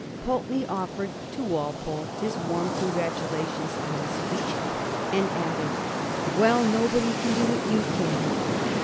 Pulteney offered to Walpole his warm congratulations on his speech, and added, " Well, nobody can do what you can."